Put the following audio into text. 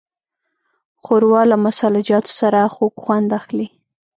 ښوروا له مسالهجاتو سره خوږ خوند اخلي.